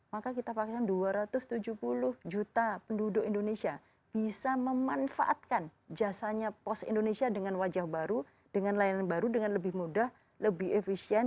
maka kita pakai dua ratus tujuh puluh juta penduduk indonesia bisa memanfaatkan jasanya pos indonesia dengan wajah baru dengan layanan baru dengan lebih mudah lebih efisien